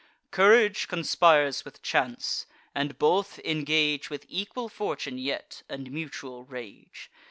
Courage conspires with chance, and both engage With equal fortune yet, and mutual rage.